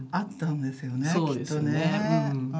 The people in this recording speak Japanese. きっとね。